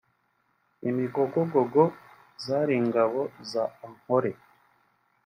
Imigogogo zari Ingabo za Ankole